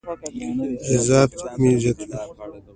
جرات مې زیاتوي.